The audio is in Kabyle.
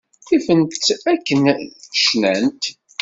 Ifent-t akken ay cnant.